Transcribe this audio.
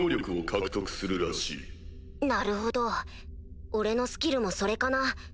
なるほど俺のスキルもそれかな。